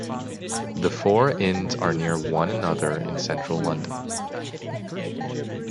The four Inns are near one another in central London.